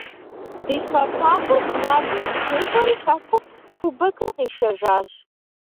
Ди «Спартак»-ыр финалым щытекӏуэри хэкум кубокыр къишэжащ.